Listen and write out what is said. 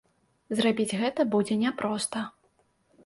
Зрабіць гэта будзе няпроста.